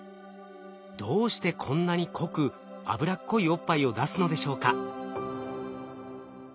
どうしてこんなに濃く脂っこいおっぱいを出すのでしょうか。